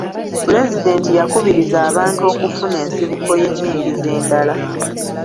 Pulezidenti yakubiriza abantu okufuna ensibuko y'enyingiza endala.